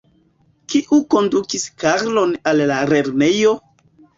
Kiu kondukis Karlon al la lernejo?